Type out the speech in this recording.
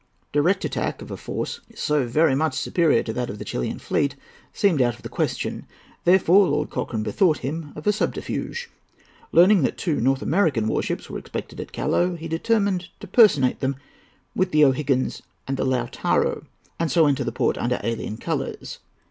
Direct attack of a force so very much superior to that of the Chilian fleet seemed out of the question. Therefore Lord Cochrane bethought him of a subterfuge. Learning that two North American war ships were expected at Callao, he determined to personate them with the O'Higgins and Lautaro, and so enter the port under alien colours.